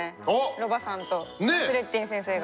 ロバさんとナスレッディン先生が。